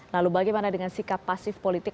lalu bagaimana dengan sikap pasif politik